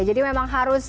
jadi memang harus